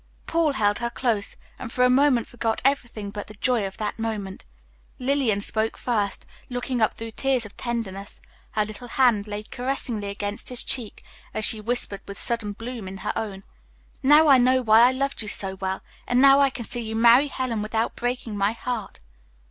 Paul held her close, and for a moment forgot everything but the joy of that moment. Lillian spoke first, looking up through tears of tenderness, her little hand laid caressingly against his cheek, as she whispered with sudden bloom in her own, "Now I know why I loved you so well, and now I can see you marry Helen without breaking my heart.